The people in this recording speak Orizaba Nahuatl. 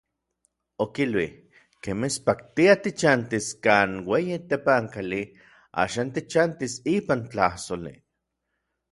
Okilui: "Ken mitspaktia tichantis kan ueyi tepankali, axan tichantis ipan tlajsoli".